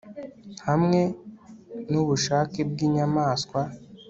Hamwe nubushake bwinyamaswa